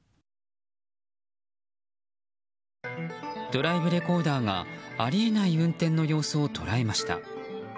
ドライブレコーダーがあり得ない運転の様子を捉えました。